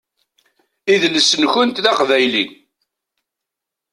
Idles-nkent d aqbayli.